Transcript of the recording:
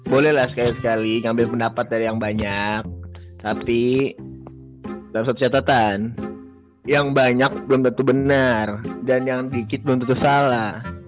bolehlah sekali sekali ngambil pendapat dari yang banyak tapi dalam satu catatan yang banyak belum tentu benar dan yang dikit belum tentu salah